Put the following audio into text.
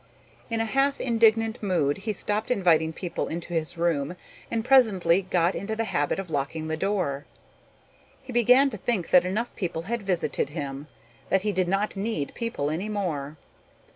In a half indignant mood he stopped inviting people into his room and presently got into the habit of locking the door. He began to think that enough people had visited him, that he did not need people any more.